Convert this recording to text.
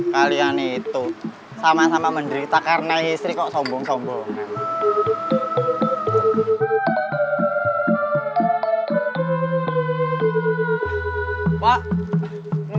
kalian itu sama sama menderita karena istri kok sombong sombongan